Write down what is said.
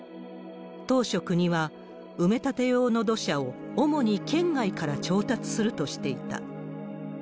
当初、国は埋め立て用の土砂を主に県外から調達するとしていた。